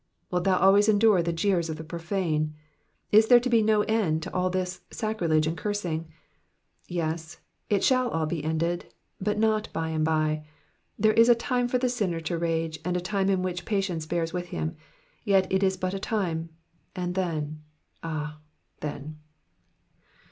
Wilt thou always endure the jeers of the profane ? Is there to be no end to all this sacrilege and cursing ? Yes, it shall all be ended, but not by and by. There is a time for the sinner to rage, and a time in which patience bears with him ; yet it is but a time, and then, ah, then